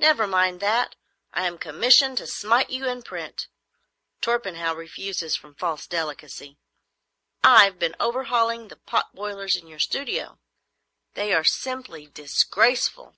"Never mind that. I am commissioned to smite you in print. Torpenhow refuses from false delicacy. I've been overhauling the pot boilers in your studio. They are simply disgraceful."